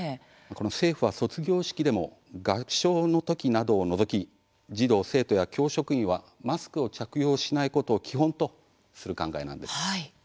政府は卒業式でも合唱の時などを除き児童、生徒や教職員はマスクを着用しないことを基本とする考えなんです。